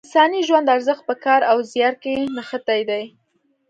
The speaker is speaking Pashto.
د انساني ژوند ارزښت په کار او زیار کې نغښتی دی.